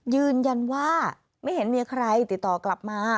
ยืนยันว่าไม่เห็นมีใครติดต่อกลับมา